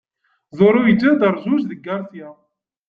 Zoro yeǧǧa-d rrjuj deg Garcia.